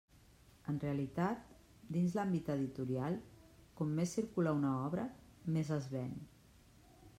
En realitat, dins l'àmbit editorial, com més circula una obra, més es ven.